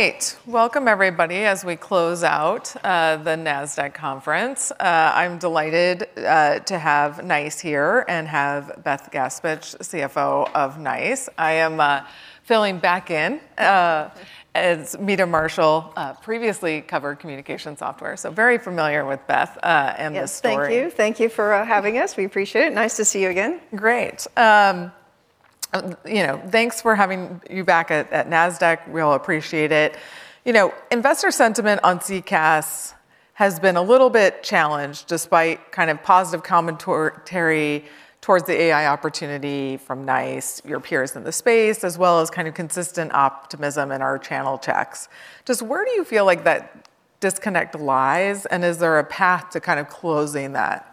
All right. Welcome everybody as we close out the Nasdaq Conference. I'm delighted to have NiCE here and have Beth Gaspich, CFO of NiCE. I am filling back in as Meta Marshall, previously covered communication software, so very familiar with Beth and the story. Yes, thank you. Thank you for having us. We appreciate it. NiCE to see you again. Great. You know, thanks for having you back at Nasdaq. We'll appreciate it. You know, investor sentiment on CCaaS has been a little bit challenged despite kind of positive commentary towards the AI opportunity from NiCE, your peers in the space, as well as kind of consistent optimism in our channel checks. Just where do you feel like that disconnect lies? And is there a path to kind of closing that?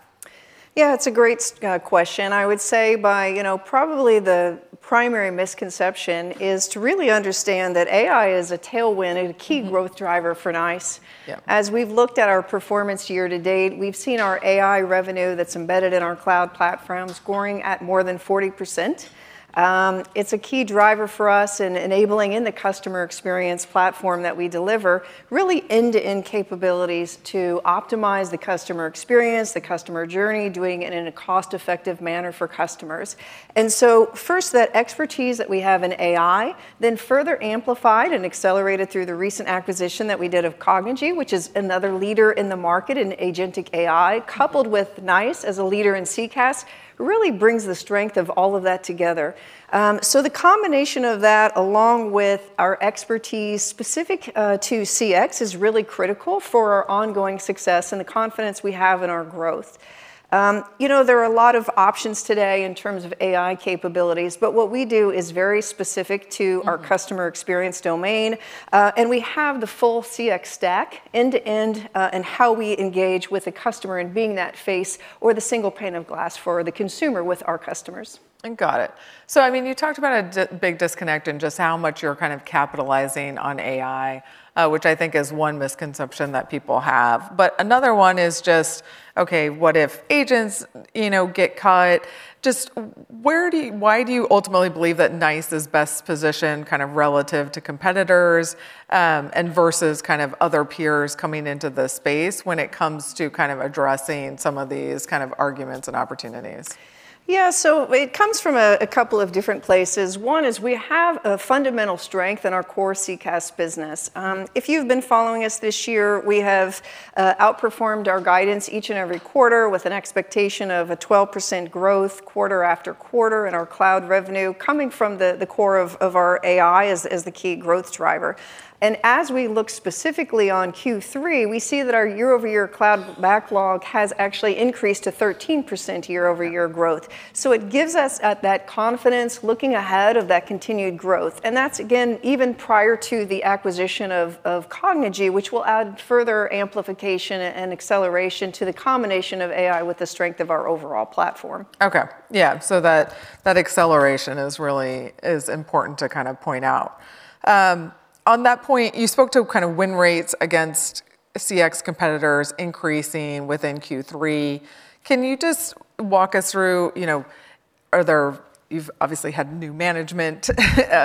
Yeah, it's a great question, I would say. But probably the primary misconception is to really understand that AI is a tailwind and a key growth driver for NiCE. As we've looked at our performance year to date, we've seen our AI revenue that's embedded in our cloud platforms soaring at more than 40%. It's a key driver for us in enabling the customer experience platform that we deliver really end-to-end capabilities to optimize the customer experience, the customer journey, doing it in a cost-effective manner for customers, and so first, that expertise that we have in AI, then further amplified and accelerated through the recent acquisition that we did of Cognigy, which is another leader in the market in agentic AI, coupled with NiCE as a leader in CCaaS really brings the strength of all of that together. So, the combination of that along with our expertise specific to CX is really critical for our ongoing success and the confidence we have in our growth. You know, there are a lot of options today in terms of AI capabilities, but what we do is very specific to our customer experience domain. And we have the full CX stack end-to-end and how we engage with the customer and being that face or the single pane of glass for the consumer with our customers. I got it. So, I mean, you talked about a big disconnect in just how much you're kind of capitalizing on AI, which I think is one misconception that people have. But another one is just, okay, what if agents, you know, get caught? Just why do you ultimately believe that NiCE is best positioned kind of relative to competitors and versus kind of other peers coming into the space when it comes to kind of addressing some of these kind of arguments and opportunities? Yeah, so it comes from a couple of different places. One is we have a fundamental strength in our core CCaaS business. If you've been following us this year, we have outperformed our guidance each and every quarter with an expectation of a 12% growth quarter after quarter in our cloud revenue coming from the core of our AI as the key growth driver, and as we look specifically on Q3, we see that our year-over-year cloud backlog has actually increased to 13% year-over-year growth, so it gives us that confidence looking ahead of that continued growth, and that's again, even prior to the acquisition of Cognigy, which will add further amplification and acceleration to the combination of AI with the strength of our overall platform. Okay. Yeah, so that acceleration is really important to kind of point out. On that point, you spoke to kind of win rates against CX competitors increasing within Q3. Can you just walk us through, you know, you've obviously had new management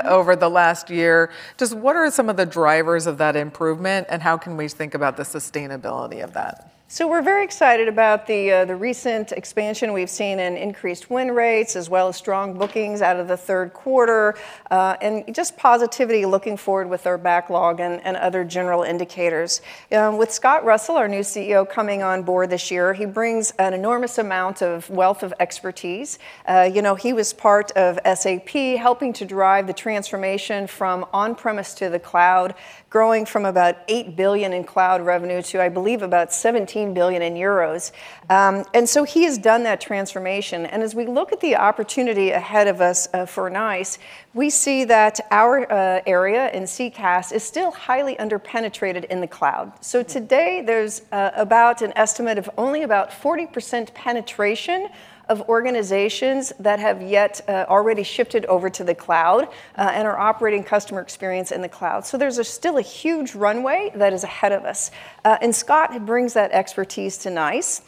over the last year. Just what are some of the drivers of that improvement and how can we think about the sustainability of that? So we're very excited about the recent expansion we've seen and increased win rates as well as strong bookings out of the third quarter and just positivity looking forward with our backlog and other general indicators. With Scott Russell, our new CEO, coming on board this year, he brings an enormous amount of wealth of expertise. You know, he was part of SAP helping to drive the transformation from on-premise to the cloud, growing from about 8 billion in cloud revenue to, I believe, about 17 billion euros. And so he has done that transformation. And as we look at the opportunity ahead of us for NiCE, we see that our area in CCaaS is still highly underpenetrated in the cloud. So today there's about an estimate of only about 40% penetration of organizations that have yet already shifted over to the cloud and are operating customer experience in the cloud. So there's still a huge runway that is ahead of us. And Scott brings that expertise to NiCE.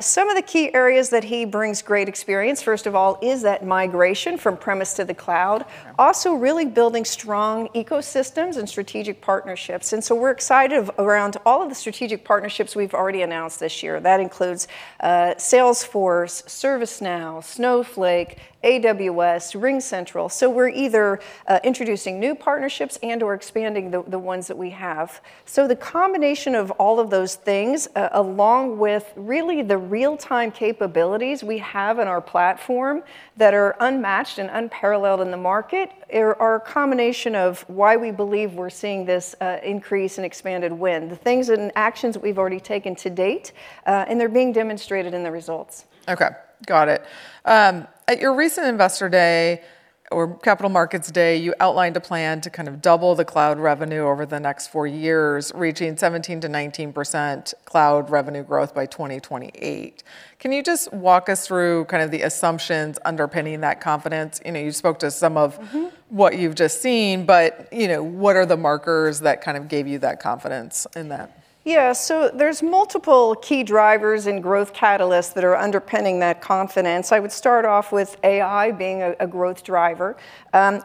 Some of the key areas that he brings great experience, first of all, is that migration from premise to the cloud, also really building strong ecosystems and strategic partnerships. And so we're excited around all of the strategic partnerships we've already announced this year. That includes Salesforce, ServiceNow, Snowflake, AWS, RingCentral. So we're either introducing new partnerships and/or expanding the ones that we have. So, the combination of all of those things along with really the real-time capabilities we have in our platform that are unmatched and unparalleled in the market are a combination of why we believe we're seeing this increase in expanded win, the things and actions that we've already taken to date, and they're being demonstrated in the results. Okay, got it. At your recent investor day or capital markets day, you outlined a plan to kind of double the cloud revenue over the next four years, reaching 17%-19% cloud revenue growth by 2028. Can you just walk us through kind of the assumptions underpinning that confidence? You spoke to some of what you've just seen, but what are the markers that kind of gave you that confidence in that? Yeah, so there's multiple key drivers and growth catalysts that are underpinning that confidence. I would start off with AI being a growth driver.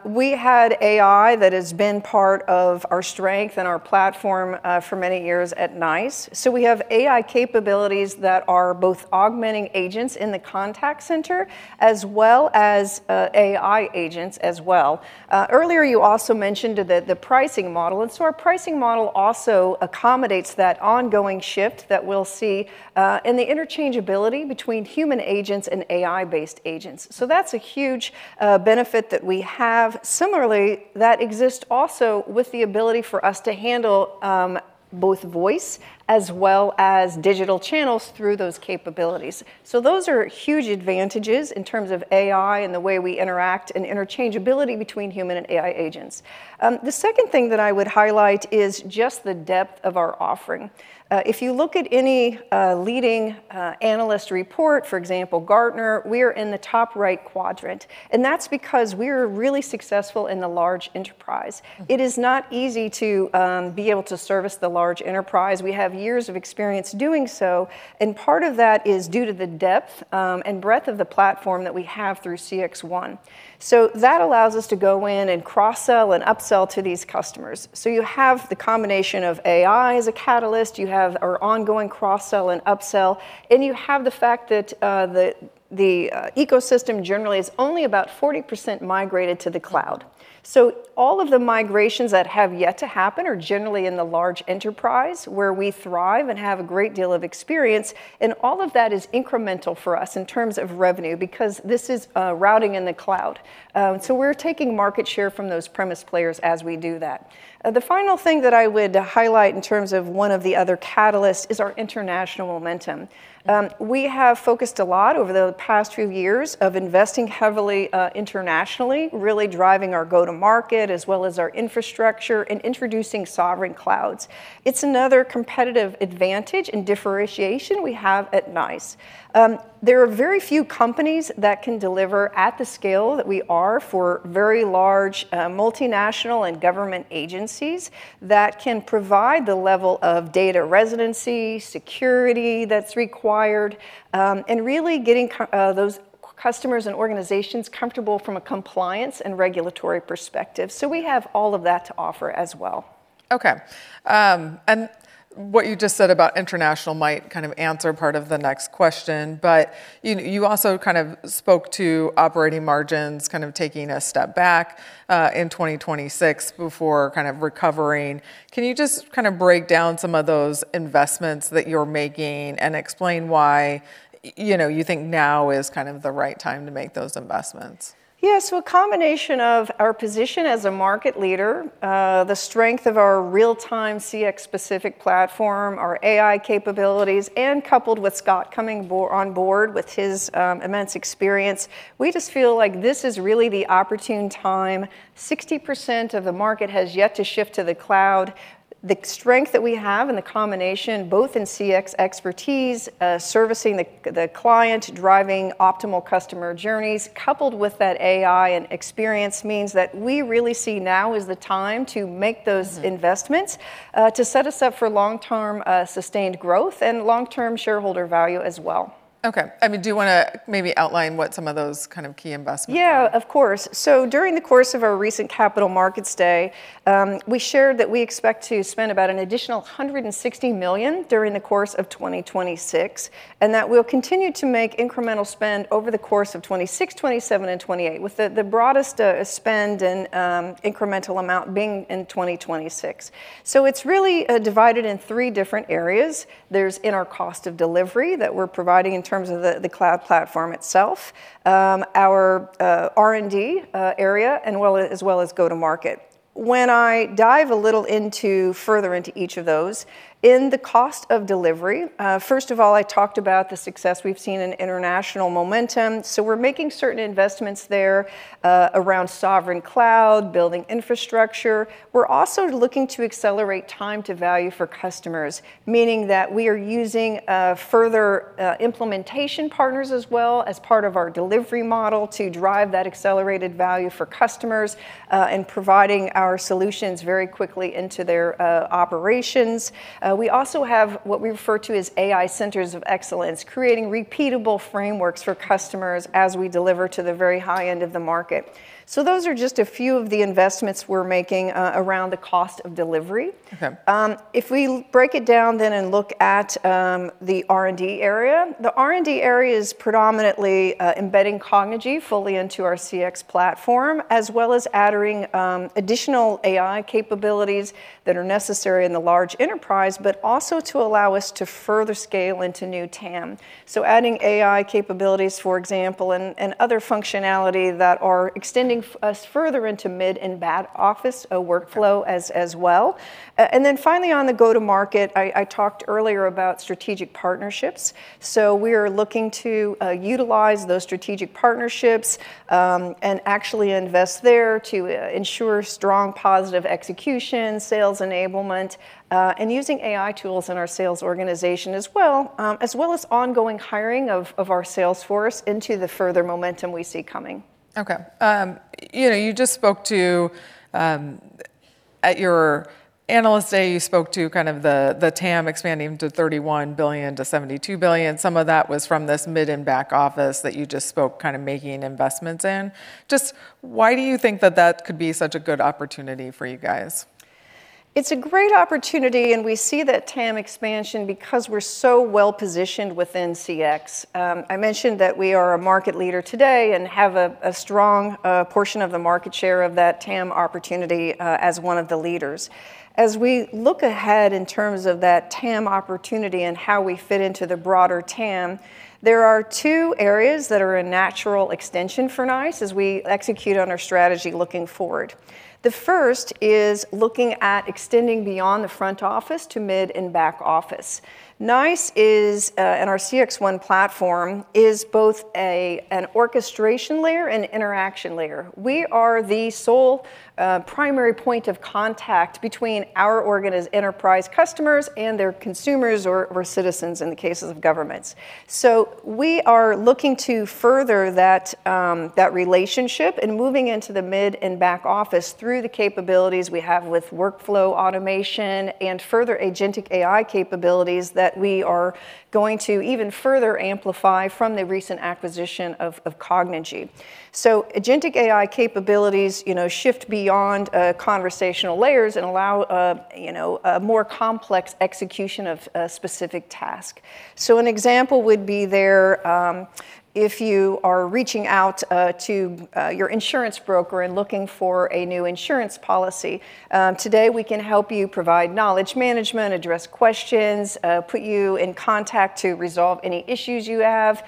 We had AI that has been part of our strength and our platform for many years at NiCE, so we have AI capabilities that are both augmenting agents in the contact center as well as AI agents as well. Earlier, you also mentioned the pricing model, and so our pricing model also accommodates that ongoing shift that we'll see in the interchangeability between human agents and AI-based agents, so that's a huge benefit that we have. Similarly, that exists also with the ability for us to handle both voice as well as digital channels through those capabilities, so those are huge advantages in terms of AI and the way we interact and interchangeability between human and AI agents. The second thing that I would highlight is just the depth of our offering. If you look at any leading analyst report, for example, Gartner, we are in the top right quadrant. And that's because we are really successful in the large enterprise. It is not easy to be able to service the large enterprise. We have years of experience doing so. And part of that is due to the depth and breadth of the platform that we have through CXone. So that allows us to go in and cross-sell and upsell to these customers. So you have the combination of AI as a catalyst, you have our ongoing cross-sell and upsell, and you have the fact that the ecosystem generally is only about 40% migrated to the cloud. So all of the migrations that have yet to happen are generally in the large enterprise where we thrive and have a great deal of experience. And all of that is incremental for us in terms of revenue because this is routing in the cloud. So we're taking market share from those premise players as we do that. The final thing that I would highlight in terms of one of the other catalysts is our international momentum. We have focused a lot over the past few years of investing heavily internationally, really driving our go-to-market as well as our infrastructure and introducing sovereign clouds. It's another competitive advantage and differentiation we have at NiCE. There are very few companies that can deliver at the scale that we are for very large multinational and government agencies that can provide the level of data residency, security that's required, and really getting those customers and organizations comfortable from a compliance and regulatory perspective. So we have all of that to offer as well. Okay. And what you just said about international might kind of answer part of the next question, but you also kind of spoke to operating margins kind of taking a step back in 2026 before kind of recovering. Can you just kind of break down some of those investments that you're making and explain why, you know, think now is kind of the right time to make those investments? Yeah, so a combination of our position as a market leader, the strength of our real-time CX-specific platform, our AI capabilities, and coupled with Scott coming on board with his immense experience, we just feel like this is really the opportune time 60% of the market has yet to shift to the cloud. The strength that we have and the combination both in CX expertise, servicing the client, driving optimal customer journeys, coupled with that AI and experience means that we really see now is the time to make those investments to set us up for long-term sustained growth and long-term shareholder value as well. Okay. I mean, do you want to maybe outline what some of those kind of key investments are? Yeah, of course, so during the course of our recent capital markets day, we shared that we expect to spend about an additional $160 million during the course of 2026 and that we'll continue to make incremental spend over the course of 2026, 2027, and 2028, with the broadest spend and incremental amount being in 2026, so it's really divided in three different areas. There's in our cost of delivery that we're providing in terms of the cloud platform itself, our R&D area, and as well as go-to-market. When I dive a little further into each of those, in the cost of delivery, first of all, I talked about the success we've seen in international momentum, so we're making certain investments there around sovereign cloud, building infrastructure. We're also looking to accelerate time to value for customers, meaning that we are using further implementation partners as well as part of our delivery model to drive that accelerated value for customers and providing our solutions very quickly into their operations. We also have what we refer to as AI centers of excellence, creating repeatable frameworks for customers as we deliver to the very high end of the market. So those are just a few of the investments we're making around the cost of delivery. If we break it down then and look at the R&D area, the R&D area is predominantly embedding Cognigy fully into our CX platform, as well as adding additional AI capabilities that are necessary in the large enterprise, but also to allow us to further scale into new TAM. So adding AI capabilities, for example, and other functionality that are extending us further into mid and back office workflow as well. And then finally, on the go-to-market, I talked earlier about strategic partnerships. So we are looking to utilize those strategic partnerships and actually invest there to ensure strong positive execution, sales enablement, and using AI tools in our sales organization as well, as well as ongoing hiring of our sales force into the further momentum we see coming. Okay. You know, just spoke to at your analyst day, you spoke to kind of the TAM expanding to $31 billion-$72 billion. Some of that was from this mid and back office that you just spoke kind of making investments in. Just why do you think that that could be such a good opportunity for you guys? It's a great opportunity, and we see that TAM expansion because we're so well positioned within CX. I mentioned that we are a market leader today and have a strong portion of the market share of that TAM opportunity as one of the leaders. As we look ahead in terms of that TAM opportunity and how we fit into the broader TAM, there are two areas that are a natural extension for NiCE as we execute on our strategy looking forward. The first is looking at extending beyond the front office to mid and back office. NiCE and our CXone platform is both an orchestration layer and interaction layer. We are the sole primary point of contact between our enterprise customers and their consumers or citizens in the cases of governments. So, we are looking to further that relationship and moving into the mid and back office through the capabilities we have with workflow automation and further agentic AI capabilities that we are going to even further amplify from the recent acquisition of Cognigy. So agentic AI capabilities shift beyond conversational layers and allow more complex execution of a specific task. So, an example would be there if you are reaching out to your insurance broker and looking for a new insurance policy. Today, we can help you provide knowledge management, address questions, put you in contact to resolve any issues you have.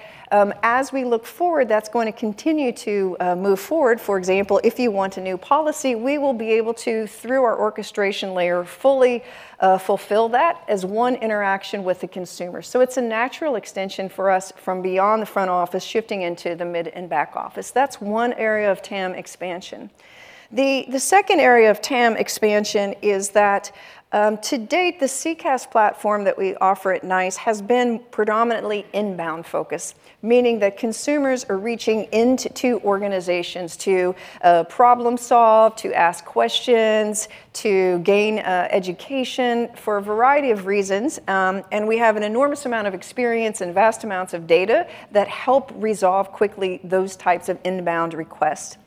As we look forward, that's going to continue to move forward. For example, if you want a new policy, we will be able to, through our orchestration layer, fully fulfill that as one interaction with the consumer. So, it's a natural extension for us from beyond the front office shifting into the mid and back office. That's one area of TAM expansion. The second area of TAM expansion is that to date, the CCaaS platform that we offer at NiCE has been predominantly inbound focus, meaning that consumers are reaching into organizations to problem-solve, to ask questions, to gain education for a variety of reasons. And we have an enormous amount of experience and vast amounts of data that help resolve quickly those types of inbound requests.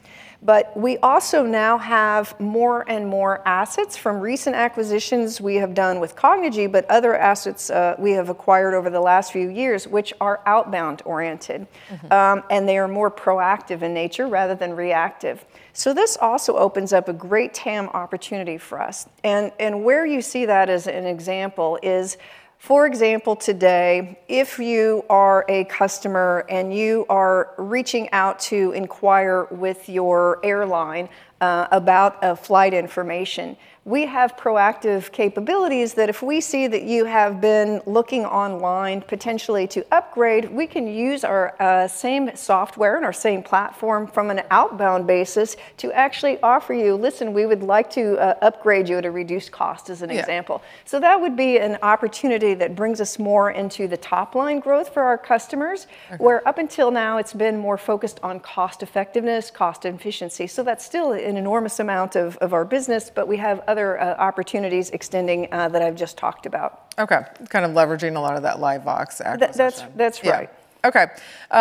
But we also now have more and more assets from recent acquisitions we have done with Cognigy, but other assets we have acquired over the last few years, which are outbound oriented, and they are more proactive in nature rather than reactive. So, this also opens up a great TAM opportunity for us. And where you see that as an example is, for example, today, if you are a customer and you are reaching out to inquire with your airline about flight information, we have proactive capabilities that if we see that you have been looking online potentially to upgrade, we can use our same software and our same platform from an outbound basis to actually offer you, "Listen, we would like to upgrade you at a reduced cost," as an example. Yeah. So that would be an opportunity that brings us more into the top line growth for our customers, where up until now, it's been more focused on cost effectiveness, cost efficiency. So that's still an enormous amount of our business, but we have other opportunities extending that I've just talked about. Okay. Kind of leveraging a lot of that LiveVox acquisition. That's right. Yeah.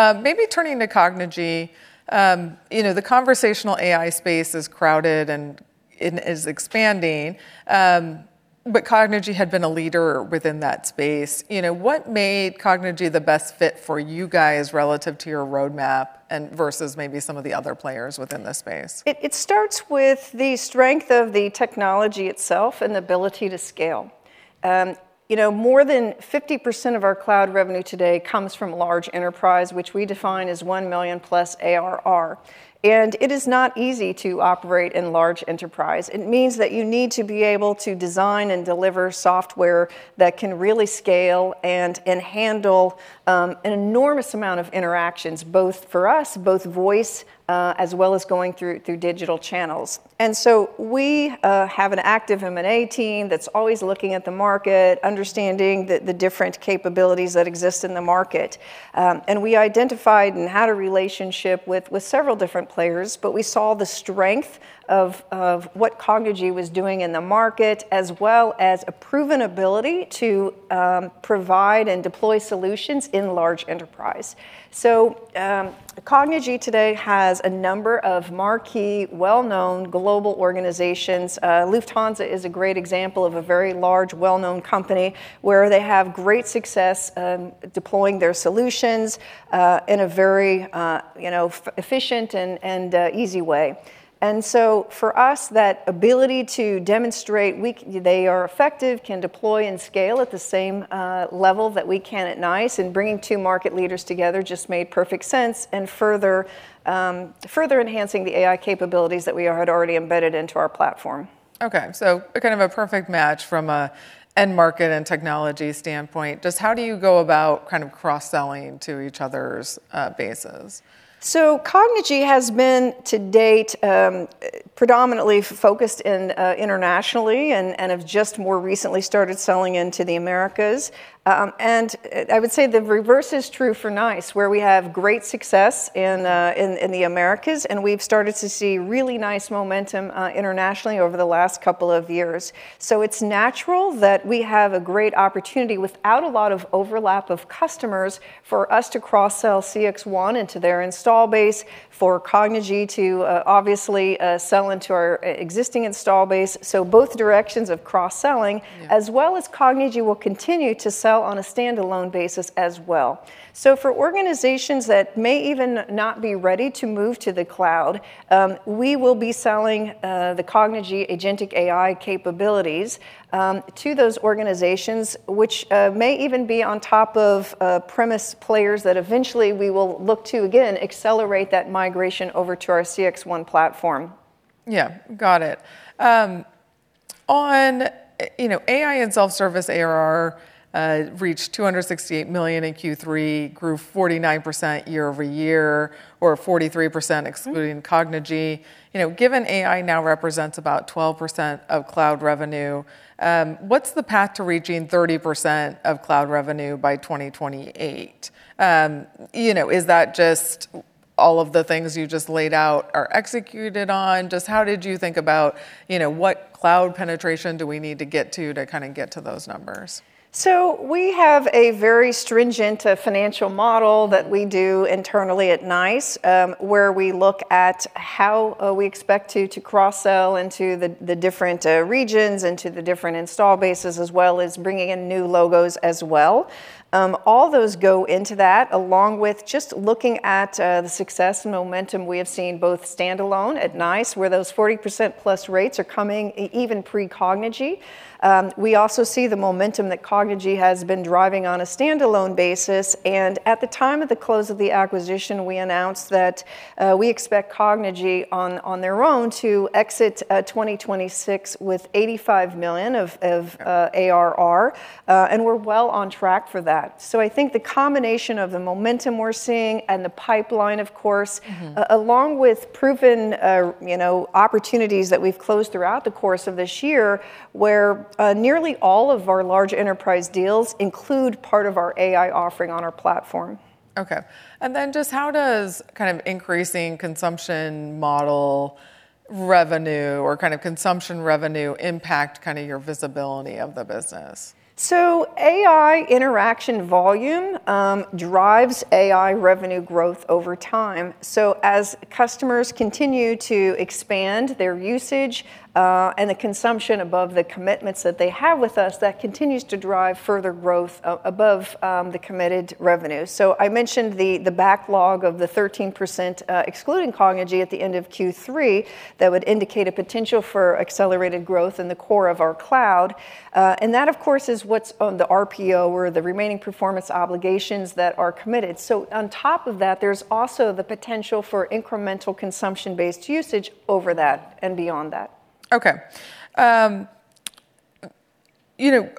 Okay. Maybe turning to Cognigy. The conversational AI space is crowded and is expanding, um, but Cognigy had been a leader within that space. You know, what made Cognigy the best fit for you guys relative to your roadmap versus maybe some of the other players within the space? It starts with the strength of the technology itself and the ability to scale. More than 50% of our cloud revenue today comes from large enterprise, which we define as one million plus ARR. And it is not easy to operate in large enterprise. It means that you need to be able to design and deliver software that can really scale and handle an enormous amount of interactions, both for us, both voice, as well as going through digital channels. And so we have an active M&A team that's always looking at the market, understanding the different capabilities that exist in the market. And we identified and had a relationship with several different players, but we saw the strength of what Cognigy was doing in the market, as well as a proven ability to, uh, provide and deploy solutions in large enterprise. So Cognigy today has a number of marquee, well-known global organizations. Lufthansa is a great example of a very large, well-known company where they have great success deploying their solutions in a very, uh, you know, efficient and easy way. And so, for us that ability to demonstrate they are effective, can deploy and scale at the same level that we can at NiCE, and bringing two market leaders together just made perfect sense and further enhancing the AI capabilities that we had already embedded into our platform. Okay. So kind of a perfect match from an end market and technology standpoint. Just how do you go about kind of cross-selling to each other's bases? So Cognigy has been to date predominantly focused internationally and have just more recently started selling into the Americas. And I would say the reverse is true for NiCE, where we have great success in the Americas, and we've started to see really NiCE momentum internationally over the last couple of years. So, it's natural that we have a great opportunity without a lot of overlap of customers for us to cross-sell CXone into their install base, for Cognigy to obviously sell into our existing install base. So, both directions of cross-selling Yeah. As well as Cognigy, will continue to sell on a standalone basis as well. So, for organizations that may even not be ready to move to the cloud, we will be selling the Cognigy agentic AI capabilities to those organizations, which may even be on top of on-premise players that eventually we will look to, again, accelerate that migration over to our CX1 platform. Yeah. Got it. On AI and self-service ARR reached $268 million in Q3, grew 49% year over year, or 43% excluding Cognigy. You know, given AI now represents about 12% of cloud revenue, what's the path to reaching 30% of cloud revenue by 2028? Uh, you know, is that just all of the things you just laid out are executed on? Just how did you think about what cloud penetration do we need to get to to kind of get to those numbers? So we have a very stringent financial model that we do internally at NiCE, where we look at how we expect to cross-sell into the different regions, into the different install bases, as well as bringing in new logos as well. All those go into that, along with just looking at the success and momentum we have seen both standalone at NiCE, where those 40% plus rates are coming even pre-Cognigy. We also see the momentum that Cognigy has been driving on a standalone basis. And at the time of the close of the acquisition, we announced that we expect Cognigy on their own to exit 2026 with 85 million of ARR, and we're well on track for that. So I think the combination of the momentum we're seeing and the pipeline, of course, along with proven opportunities that we've closed throughout the course of this year, where nearly all of our large enterprise deals include part of our AI offering on our platform. Okay. And then just how does kind of increasing consumption model revenue or kind of consumption revenue impact kind of your visibility of the business? AI interaction volume drives AI revenue growth over time. As customers continue to expand their usage and the consumption above the commitments that they have with us, that continues to drive further growth above the committed revenue. I mentioned the backlog of the 13% excluding Cognigy at the end of Q3 that would indicate a potential for accelerated growth in the core of our cloud. That, of course, is what's on the RPO or the remaining performance obligations that are committed. On top of that, there's also the potential for incremental consumption-based usage over that and beyond that. Okay. Uh, you know,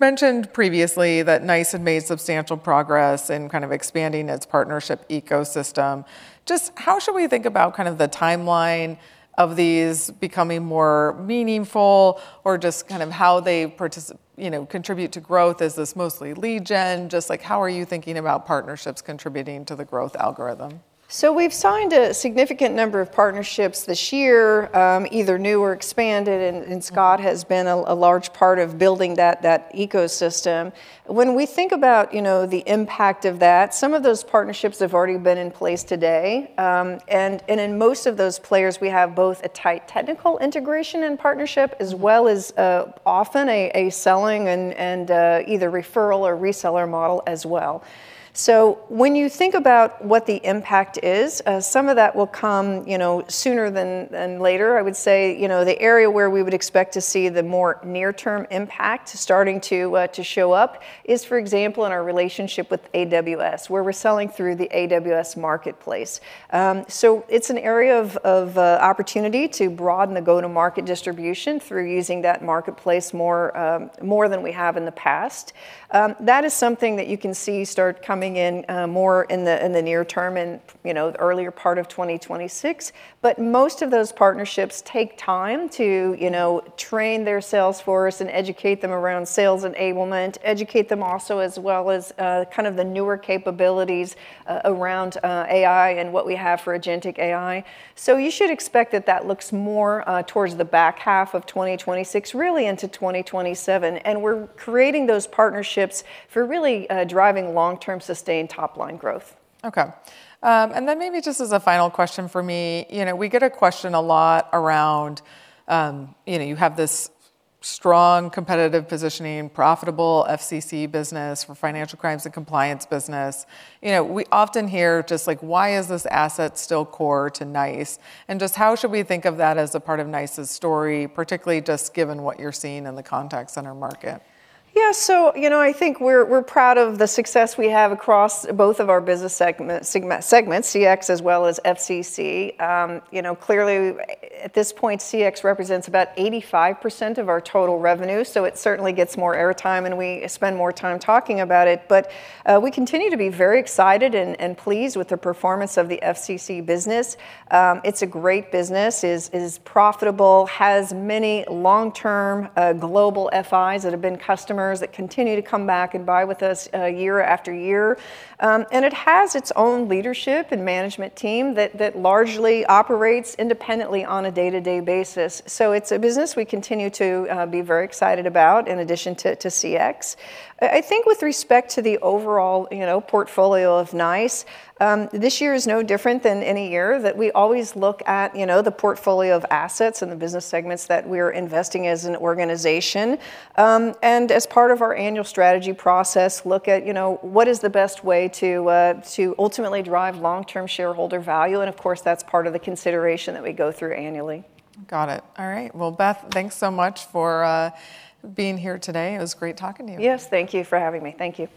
mentioned previously that NiCE had made substantial progress in kind of expanding its partnership ecosystem. Just how should we think about kind of the timeline of these becoming more meaningful or just kind of how they contribute to growth? Is this mostly lead gen? Just like how are you thinking about partnerships contributing to the growth algorithm? So we've signed a significant number of partnerships this year, either new or expanded, and Scott has been a large part of building that ecosystem. When we think about the impact of that, some of those partnerships have already been in place today, and in most of those players, we have both a tight technical integration and partnership, as well as often a selling and either referral or reseller model as well. so when you think about what the impact is, some of that will come sooner than later, I would say the area where we would expect to see the more near-term impact starting to show up is, for example, in our relationship with AWS, where we're selling through the AWS marketplace, so it's an area of opportunity to broaden the go-to-market distribution through using that marketplace more than we have in the past. That is something that you can see start coming in more in the near term and earlier part of 2026. But most of those partnerships take time to train their salesforce and educate them around sales enablement, educate them also, as well as kind of the newer capabilities around AI and what we have for agentic AI. So you should expect that that looks more towards the back half of 2026, really into 2027. And we're creating those partnerships for really driving long-term sustained top line growth. Okay. And then maybe just as a final question for me, we get a question a lot around, um, you know, have this strong competitive positioning, profitable FCC business for Financial Crimes and Compliance business. We often hear just like, "Why is this asset still core to NiCE?" And just how should we think of that as a part of NiCE's story, particularly just given what you're seeing in the contact center market? Yeah. So, I think we're proud of the success we have across both of our business segments, CX as well as FCC. Uh, you know, clearly, at this point, CX represents about 85% of our total revenue. So, it certainly gets more airtime and we spend more time talking about it. But we continue to be very excited and pleased with the performance of the FCC business. It's a great business, is profitable, has many long-term global FIs that have been customers that continue to come back and buy with us year after year. And it has its own leadership and management team that largely operates independently on a day-to-day basis. So, it's a business we continue to be very excited about in addition to CX. I think with respect to the overall portfolio of NiCE, this year is no different than any year that we always look at the portfolio of assets and the business segments that we are investing as an organization, um, and as part of our annual strategy process, look at what is the best way to ultimately drive long-term shareholder value, and of course, that's part of the consideration that we go through annually. Got it. All right. Well, Beth, thanks so much for being here today. It was great talking to you. Yes. Thank you for having me. Thank you.